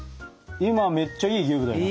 今めっちゃいいギューぶだよね。